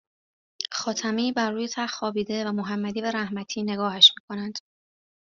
خاتمی بر روی تخت خوابیده و محمدی و رحمتی نگاهش میکنند